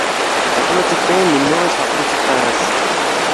ٹکلو چِک پِنگ مِندوغی چھقبُو چِک تنگس